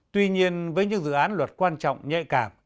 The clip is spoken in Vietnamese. tuy nhiên với những dự án luật quan trọng nhạy cảm